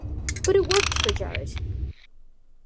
But it worked for Jared.